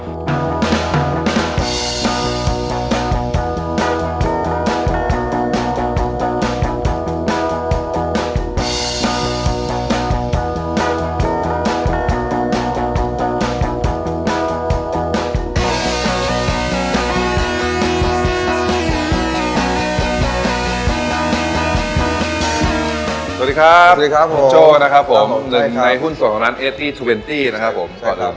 สวัสดีครับสวัสดีครับโชว์นะครับผมในหุ้นส่วนของร้าน๘๐๒๐นะครับผม